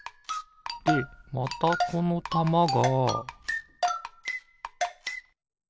でまたこのたまがピッ！